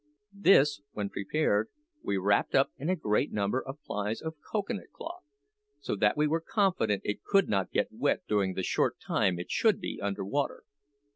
This, when prepared, we wrapped up in a great number of plies of cocoa nut cloth, so that we were confident it could not get wet during the short time it should be under water.